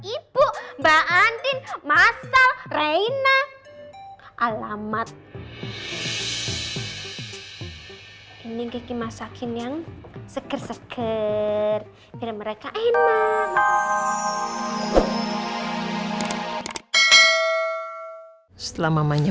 ibu mbak andin masa reyna alamat ini masakin yang seker seker mereka enak setelah mamanya